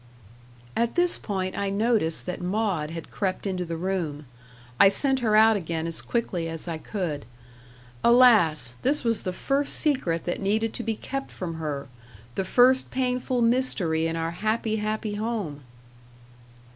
At this point I noticed that Maud had crept into the room; I sent her out again as quickly as I could. Alas! this was the first secret that needed to be kept from her; the first painful mystery in our happy, happy home!